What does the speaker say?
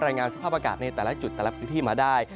รายงานสภาพอากาศในแต่ละจุดแต่ละพื้นที่มาได้